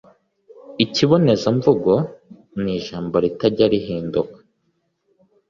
ikibonezamvugo. Nijambo ritajya rihinduka